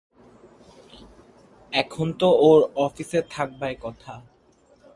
এখন তো ওঁর অফিসে থাকবায় কথা।